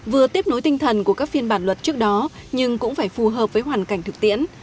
vừa tiếp nối tinh thần của các phiên bản luật trước đó nhưng cũng phải phù hợp với hoàn cảnh thực tiễn